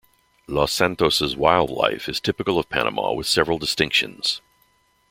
Los Santos' wildlife is typical of Panama with several distinctions.